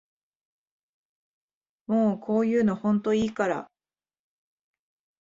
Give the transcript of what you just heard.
もうこういうのほんといいから